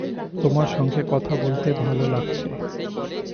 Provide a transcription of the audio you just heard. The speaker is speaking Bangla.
তোমার সঙ্গে কথা বলতে ভালো লাগছে।